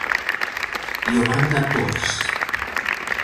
Yolanda Torres.